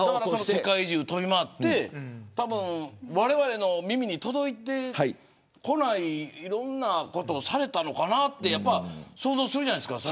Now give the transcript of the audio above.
世界中、飛び回ってわれわれの耳に届いてこないいろんなことをされたのかなと想像するじゃないですか。